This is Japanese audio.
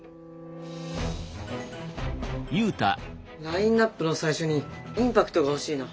ラインナップの最初にインパクトが欲しいな。